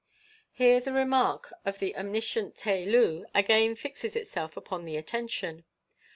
Here the remark of the omniscient Tai Loo again fixes itself upon the attention.